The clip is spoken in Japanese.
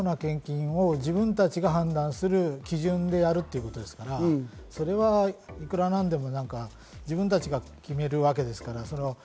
過度な献金を自分たちが判断する基準でやるということですから、それはいくら何でも自分たちが決めるわけですから。